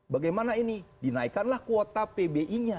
bagaimana ini dinaikkanlah kuota pbi nya